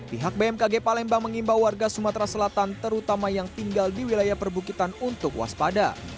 pihak bmkg palembang mengimbau warga sumatera selatan terutama yang tinggal di wilayah perbukitan untuk waspada